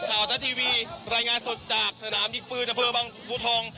ข่าวอาจารย์ทีวีรายงานสดจากสถานามนิกปืนทำเฟอร์บังภูทอง